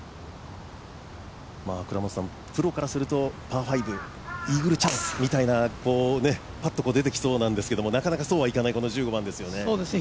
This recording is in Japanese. プロからするとパー５イーグルチャンスみたいな、ぱっと出てきそうですがなかなかそうはいかない、この１５番ですよね。